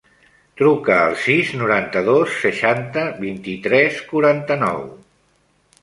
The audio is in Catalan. Truca al sis, noranta-dos, seixanta, vint-i-tres, quaranta-nou.